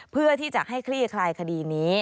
เพื่อที่จะให้คลี่คลายคดีนี้